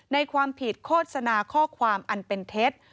ในความผิดโฆษณาข้อความอันเป็นเท็จ